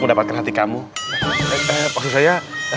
mendapatkan hati kamu saya